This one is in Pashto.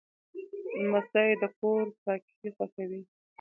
لمسی د کور پاکي خوښوي.